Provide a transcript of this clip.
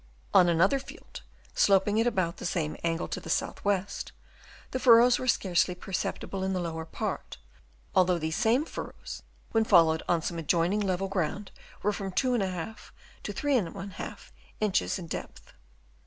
On another field sloping at about the same angle to the south west, the furrows were scarcely perceptible in the lower part ; although these same furrows when followed on to some adjoining level ground were from 2^ to 3^ inches in depth.